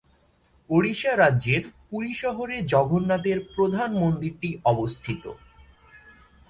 ওড়িশা রাজ্যের পুরী শহরে জগন্নাথের প্রধান মন্দিরটি অবস্থিত।